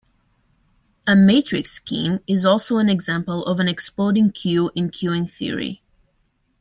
A matrix scheme is also an example of an 'exploding queue' in queueing theory.